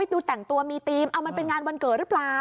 ดูแต่งตัวมีธีมเอามันเป็นงานวันเกิดหรือเปล่า